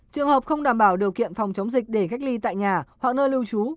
trường hợp không đảm bảo điều kiện phòng chống dịch để cách ly tại nhà hoặc nơi lưu trú